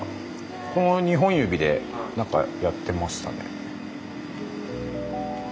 この２本指で何かやってましたね。